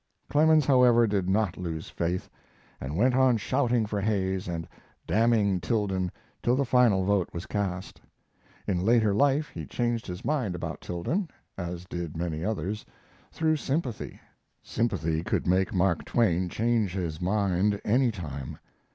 Clemens, however, did not lose faith, and went on shouting for Hayes and damning Tilden till the final vote was cast. In later life he changed his mind about Tilden (as did many others) through sympathy. Sympathy could make Mark Twain change his mind any time.